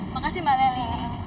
makasih mbak lely